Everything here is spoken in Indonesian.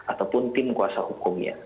ataupun tim kuasa hukumnya